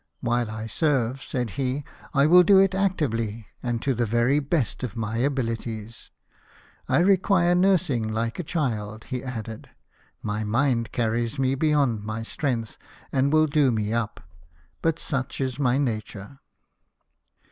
" While I serve," said he, " I will do it actively and to the very best of my abilities. I require nursing like a child," he added ;" my mind carries me beyond 264 LIFE OF NELSON. my strength, and will do me up ; but such is my nature."